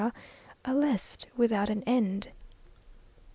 a list without an end.